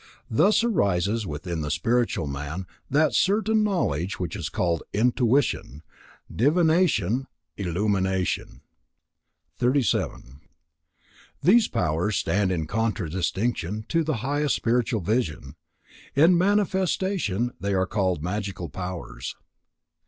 Thus arises within the spiritual man that certain knowledge which is called intuition, divination, illumination. 37. These powers stand in contradistinction to the highest spiritual vision. In manifestation they are called magical powers.